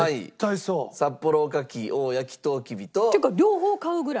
両方買うぐらい。